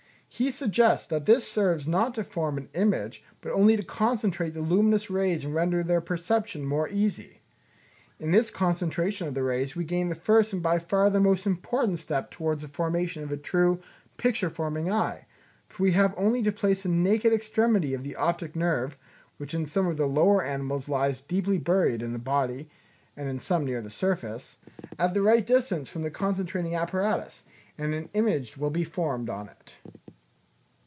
He suggests that this serves not to form an image, but only to concentrate the luminous rays and render their perception more easy. In this concentration of the rays we gain the first and by far the most important step towards the formation of a true, picture forming eye; for we have only to place the naked extremity of the optic nerve, which in some of the lower animals lies deeply buried in the body, and in some near the surface, at the right distance from the concentrating apparatus, and an image will be formed on it.